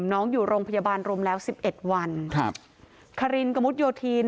น้องอยู่โรงพยาบาลรวมแล้วสิบเอ็ดวันครับคารินกระมุดโยธิน